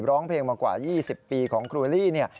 ร้องเพลงมากว่า๒๐ปีของครูลี่เนี่ย